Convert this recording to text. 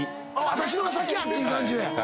「私の方が先や」っていう感じで。